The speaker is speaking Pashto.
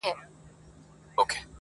زه به منګی په لپو ورو ورو ډکومه-